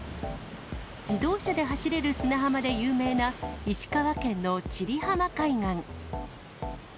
自動車で走れる砂浜で有名な、石川県の千里浜海岸。